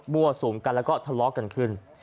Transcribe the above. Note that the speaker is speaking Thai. บัวสุมกันแล้วก็ทะเลาะกันขึ้น